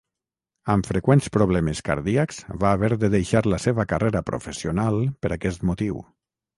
Amb freqüents problemes cardíacs, va haver de deixar la seva carrera professional per aquest motiu.